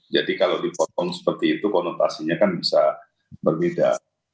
jadi kalau dipotong seperti itu konotasinya kan bisa berbeda